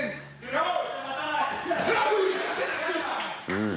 うん。